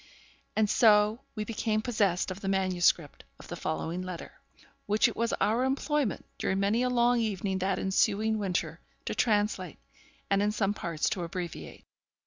And so we became possessed of the manuscript of the following letter, which it was our employment, during many a long evening that ensuing winter, to translate, and in some parts to abbreviate.